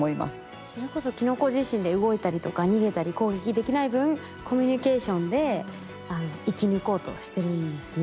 それこそキノコ自身で動いたりとか逃げたり攻撃できない分コミュニケーションで生き抜こうとしてるんですね。